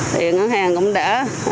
thì ngân hàng cũng đã